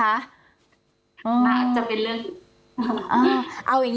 อาจจะเป็นเรื่อง